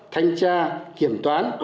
thanh tra kiểm toán